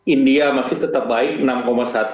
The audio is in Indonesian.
india masih tetap baik enam satu